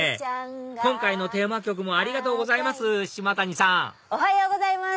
今回のテーマ曲もありがとうございます島谷さんおはようございます！